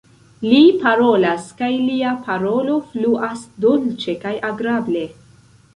Li parolas, kaj lia parolo fluas dolĉe kaj agrable.